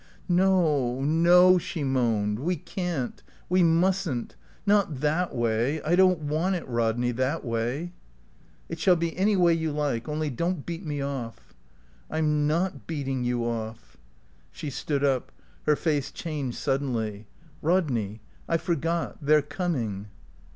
"No, no," she moaned. "We can't. We mustn't. Not that way. I don't want it, Rodney, that way." "It shall be any way you like. Only don't beat me off." "I'm not beating you off." She stood up. Her face changed suddenly. "Rodney I forgot. They're coming."